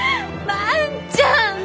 万ちゃん！